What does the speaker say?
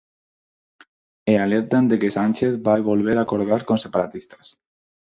E alertan de que Sánchez vai volver acordar cos separatistas.